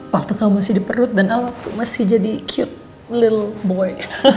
waktu kamu masih di perut dan al tuh masih jadi cute little boy